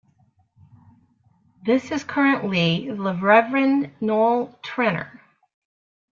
This is currently the Reverend Noel Treanor.